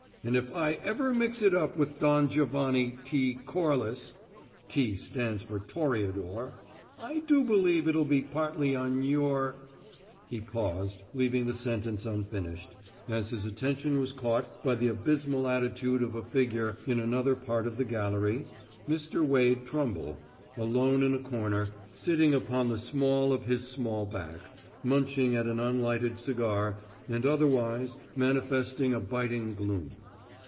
And if I ever mix it up with Don Giovanni T. Corliss `T' stands for Toreador I do believe it'll be partly on your " He paused, leaving the sentence unfinished, as his attention was caught by the abysmal attitude of a figure in another part of the gallery: Mr. Wade Trumble, alone in a corner, sitting upon the small of his small back, munching at an unlighted cigar and otherwise manifesting a biting gloom.